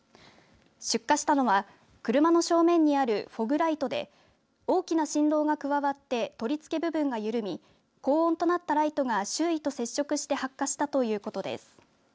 出火したのは車の正面にあるフォグライトで大きな振動が加わって取り付け部分が緩み高温となったライトが周囲と接触して発火したということです。